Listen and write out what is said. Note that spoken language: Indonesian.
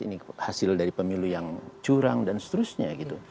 ini hasil dari pemilu yang curang dan seterusnya gitu